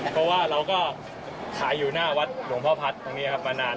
เพราะว่าเราก็ขายอยู่หน้าวัดหลวงพ่อพัฒน์ตรงนี้ครับมานาน